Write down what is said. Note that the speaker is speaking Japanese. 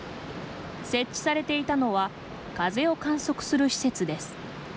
設置されていたのは風を観測する施設です。